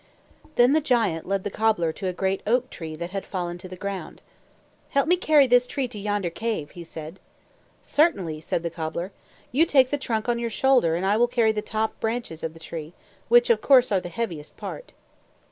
Then the giant led the cobbler to a great oak tree that had fallen to the ground. "Help me carry this tree to yonder cave," he said. "Certainly," said the cobbler. "You take the trunk on your shoulder, and I will carry the top and branches of the tree, which, of course, are the heaviest part."